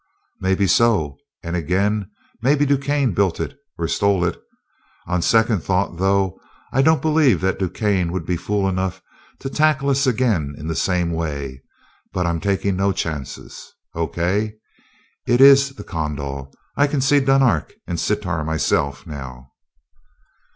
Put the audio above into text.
"Maybe so, and again maybe DuQuesne built it or stole it. On second thought, though, I don't believe that DuQuesne would be fool enough to tackle us again in the same way but I'm taking no chances.... O. K., it is the 'Kondal,' I can see Dunark and Sitar myself, now."